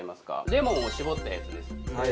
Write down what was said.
レモンを搾ったやつです